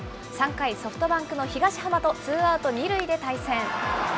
３回、ソフトバンクの東浜とツーアウト、二塁で対戦。